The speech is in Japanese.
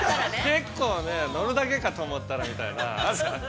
結構ね乗るだけかと思ったらみたいな。